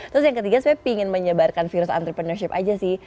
terus yang ketiga saya ingin menyebarkan virus entrepreneurship aja sih